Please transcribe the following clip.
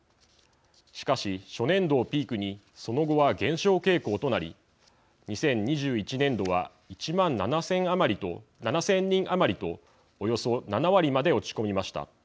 しかし初年度をピークにその後は減少傾向となり２０２１年度は１万７，０００人余りとおよそ７割まで落ち込みました。